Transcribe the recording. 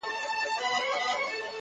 چي د بڼو پر څوکه ژوند کي دي پخلا ووینم-